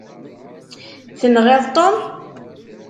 Tenɣiḍ Tom?